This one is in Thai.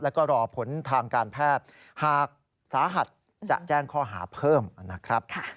แล้วก็รอผลทางการแพทย์หากสาหัสจะแจ้งข้อหาเพิ่มนะครับ